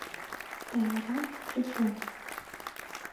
Тайра — почешем.